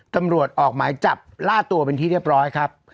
ตำรวจออกหมายจับล่าตัวเป็นที่เรียบร้อยครับ